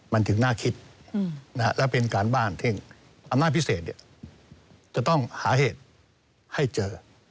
มันถึงน่าคิดและเป็นการบ้านเท่งอำนาจพิเศษจะต้องหาเหตุให้เจอ